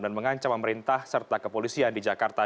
dan mengancam pemerintah serta kepolisian di jakarta